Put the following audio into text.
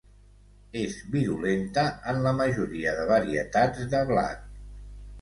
És virulenta en la majoria de varietats de blat.